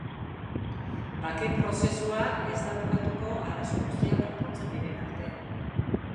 Bake prozesua ez da bukatuko arazo guztiak konpontzen diren arte.